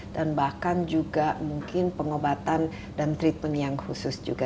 dan bahkan juga mungkin pengobatan dan treatment yang khusus juga